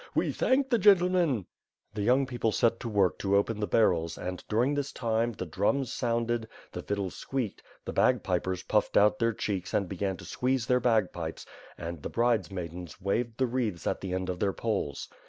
We thank the gentleman/' The young people set to work to open the barrels and during this time, the drums sounded, the fiddle squeaked, the bagpipers puffed out their cheeks and began to squeeze their bagpipes and the bridemaidens waved the wreaths at the end of their poles.